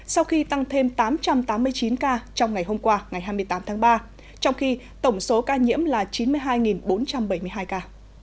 sau khi tăng thêm tám trăm tám mươi chín ca trong ngày hôm qua ngày hai mươi tám tháng ba trong khi tổng số ca nhiễm là chín mươi hai bốn trăm bảy mươi hai ca